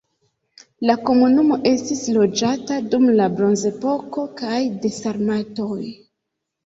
La komunumo estis loĝata dum la bronzepoko kaj de sarmatoj.